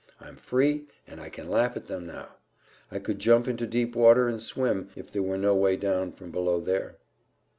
I'm free, and I can laugh at them now. I could jump into deep water and swim, if there were no way down from below there."